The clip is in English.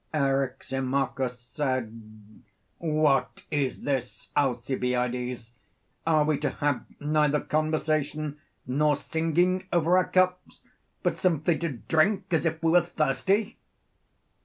Eryximachus said: What is this, Alcibiades? Are we to have neither conversation nor singing over our cups; but simply to drink as if we were thirsty?